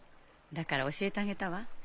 だから教えてあげたわ。